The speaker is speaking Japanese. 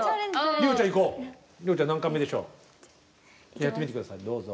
やってみて下さいどうぞ。